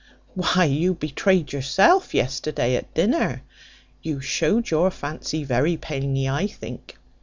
Why, you betrayed yourself yesterday at dinner. You showed your fancy very plainly, I think.